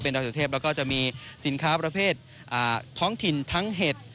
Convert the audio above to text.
ดอยสุเทพแล้วก็จะมีสินค้าประเภทท้องถิ่นทั้งเห็ด